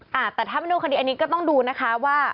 แต่ถ้าไม่รู้คดีอันนี้ก็ต้องดูนะคะว่า